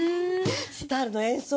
シタールの演奏